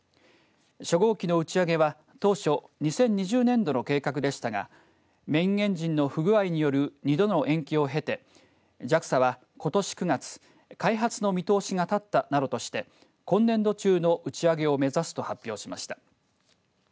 初号機の打ち上げは、当初２０２０年度の計画でしたがメインエンジンの不具合による２度の延期を経てＪＡＸＡはことし９月開発の見通しが立ったなどとして今年度中の打ち上げを目指すと発表しました。